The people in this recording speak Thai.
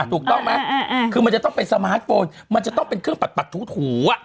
ถูกต้องไหมคือมันจะต้องเป็นสมาร์ทโฟนมันจะต้องเป็นเครื่องปัดถูอ่ะ